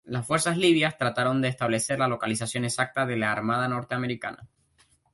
Las fuerzas libias trataron de establecer la localización exacta de la armada norteamericana.